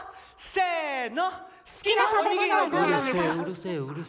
せの。